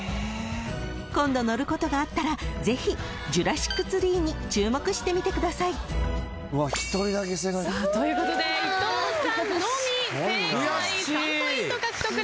［今度乗ることがあったらぜひジュラシックツリーに注目してみてください］ということで伊藤さんのみ正解３ポイント獲得です。